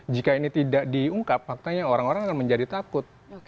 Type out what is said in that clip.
jika ini tidak diungkap faktanya orang orang akan menjadi takut